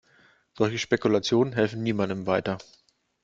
Solche Spekulationen helfen niemandem weiter.